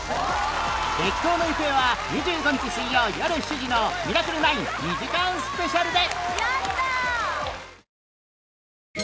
激闘の行方は２５日水曜よる７時の『ミラクル９』２時間スペシャルで！